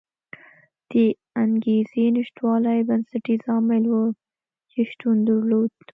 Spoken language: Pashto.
د انګېزې نشتوالی بنسټیز عامل و چې شتون درلود.